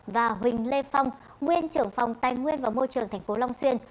và huỳnh lê phong nguyên trưởng phòng tài nguyên và môi trường tp long xuyên